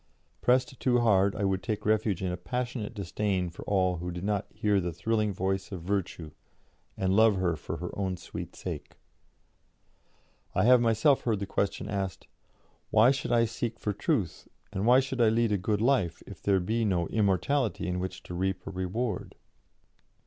Pressed too hard, I would take refuge in a passionate disdain for all who did not hear the thrilling voice of Virtue and love her for her own sweet sake. "I have myself heard the question asked: 'Why should I seek for truth, and why should I lead a good life, if there be no immortality in which to reap a reward?'